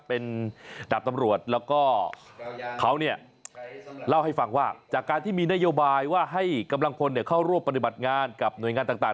เป็นดาบตำรวจแล้วก็เขาเนี่ยเล่าให้ฟังว่าจากการที่มีนโยบายว่าให้กำลังพลเข้าร่วมปฏิบัติงานกับหน่วยงานต่าง